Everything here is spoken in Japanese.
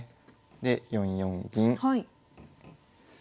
で４四銀。